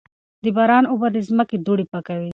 د باران اوبه د ځمکې دوړې پاکوي.